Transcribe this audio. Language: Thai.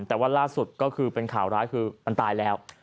แต่ว่าล่าสุดก็คือเป็นข่าวร้ายคือมันตายแล้ว